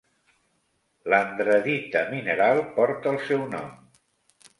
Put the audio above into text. L'andradita mineral porta el seu nom.